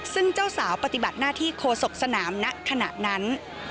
ซึ่งเจ้าสาวปฏิบัติหน้าที่โฆษกสนามณขณะนั้น